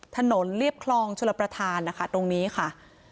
เรียบคลองชลประธานนะคะตรงนี้ค่ะ